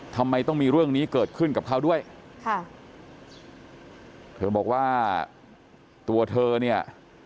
ทำไมต้องมีเรื่องนี้เกิดขึ้นกับเขาด้วยค่ะเธอบอกว่าตัวเธอเนี่ย